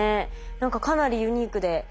何かかなりユニークで。